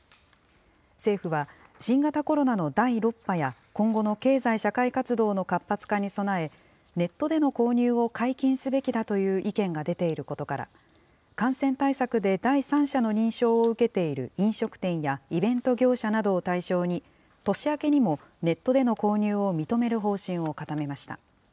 政府は、新型コロナの第６波や今後の経済社会活動の活発化に備え、ネットでの購入を解禁すべきだという意見が出ていることから、感染対策で第三者の認証を受けている飲食店やイベント業者などを対象に、年明けにもネットでの購入を認める方針を固めました。